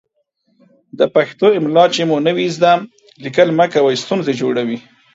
د پښتو املا چې مو نه وي ذده، ليکل مه کوئ ستونزې جوړوي.